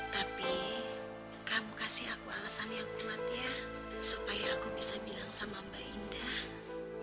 tapi kamu kasih aku alasan yang kuat ya supaya aku bisa bilang sama mbak indah